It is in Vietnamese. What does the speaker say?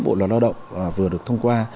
bộ lao động vừa được thông qua